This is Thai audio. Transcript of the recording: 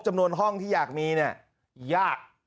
จำนวนห้องที่อยากมีเนี่ยยาก